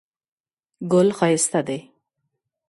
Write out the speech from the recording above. ګل ښایسته دی